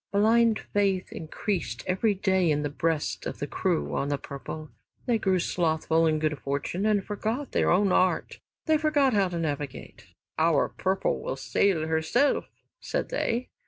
Blind faith increased every day in the breasts of the crew on "The Purple." They grew slothful in good fortune and forgot their own art, they forgot how to navigate. "Our 'Purple' will sail herself," said they.